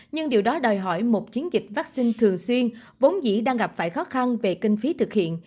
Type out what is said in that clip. nhưng điều đó đòi hỏi một chiến dịch vaccine thường xuyên vốn dĩ đang gặp phải khó khăn về kinh phí thực hiện